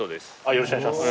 よろしくお願いします。